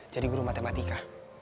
jadi guru matematika